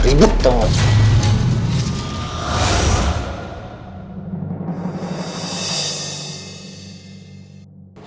ribut tau gak